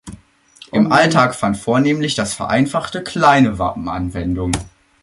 Im Alltag fand vornehmlich das vereinfachte kleine Wappen Anwendung.